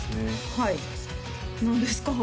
はい何ですか？